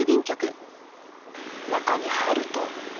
中に入ると。